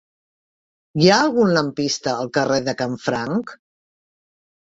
Hi ha algun lampista al carrer de Canfranc?